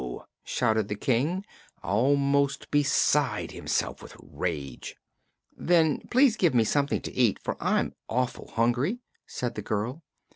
shouted the King, almost beside himself with rage. "Then please give me something to eat, for I'm awful hungry," said the girl.